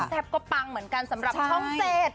แซ่บก็ปังเหมือนกันสำหรับช่องเศษ